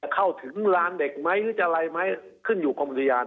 เข้าถึงลานเด็กไหมหรือจะอะไรไหมขึ้นอยู่กรมอุทยาน